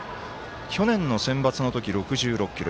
去年のセンバツの時に６６ｋｇ。